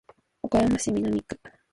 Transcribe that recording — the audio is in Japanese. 岡山市南区